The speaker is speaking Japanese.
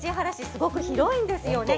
すごく広いんですよね。